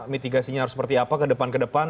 mitigasinya harus seperti apa ke depan ke depan